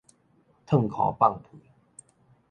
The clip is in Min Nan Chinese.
褪褲放屁